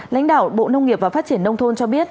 lãnh đạo bộ nông nghiệp và phát triển nông thôn cho biết